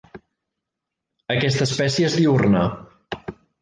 Aquesta espècie és diürna.